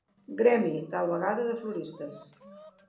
Gremi, tal vegada de floristes.